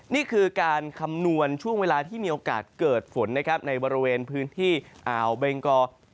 นี่คือการคำนวณช่วงเวลาที่มีโอกาสเกิดฝนนะครับในบริเวณพื้นที่อ่าวเบงกอ